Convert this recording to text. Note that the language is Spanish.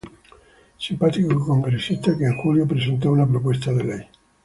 Simpático congresista que en Julio presentó una propuesta de ley